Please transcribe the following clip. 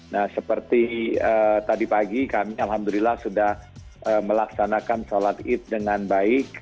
nah seperti tadi pagi kami alhamdulillah sudah melaksanakan sholat id dengan baik